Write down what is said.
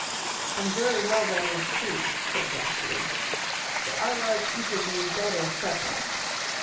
"And very well that is too," said Blackbeard, "for I like each of you better separate.